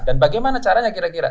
dan bagaimana caranya kira kira